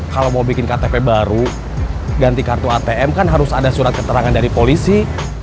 kalau mau bikin ktp baru ganti kartu atm kan harus ada surat keterangan dari polisi